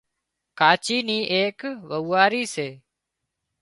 ڪاچي نِي ايڪ وئوئاري سي